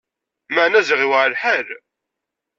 Meɛna ziɣ i yuɛer lḥal!